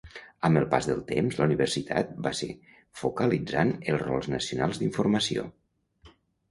Amb el pas del temps, la universitat va ser focalitzant els rols nacionals d'informació.